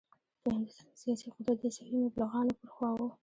په هندوستان کې سیاسي قدرت د عیسوي مبلغانو پر خوا و.